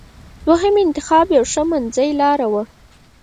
دوهم انتخاب یو څه منځۍ لاره وه.